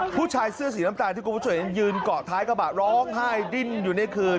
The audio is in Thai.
ผู้ชายเสื้อสีน้ำตาลที่คุณผู้ชมเห็นยืนเกาะท้ายกระบะร้องไห้ดิ้นอยู่ในคืน